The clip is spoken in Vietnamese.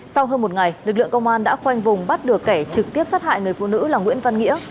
sau hơn một ngày lực lượng công an đã khoanh vùng bắt được kẻ trực tiếp sát hại người phụ nữ là nguyễn văn nghĩa